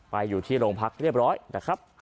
อยู่ที่โรงพักเรียบร้อยนะครับ